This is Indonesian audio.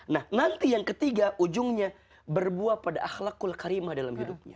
nah nanti yang ketiga ujungnya berbuah pada ahlakul karimah dalam hidupnya